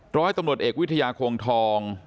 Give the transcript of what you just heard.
ร้อยตำรวจเอกวิทยาโคงทอง